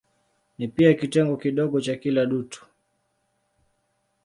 Ni pia kitengo kidogo cha kila dutu.